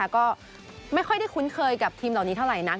ก็ไม่ค่อยได้คุ้นเคยกับทีมเหล่านี้เท่าไหร่นัก